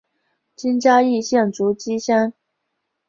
今嘉义县竹崎乡。